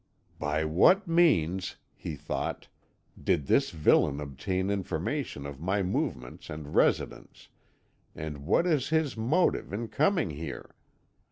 "By what means," he thought, "did this villain obtain information of my movements and residence, and what is his motive in coming here?